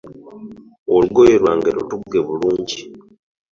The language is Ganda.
Olugoye lwange lutunge bulungi.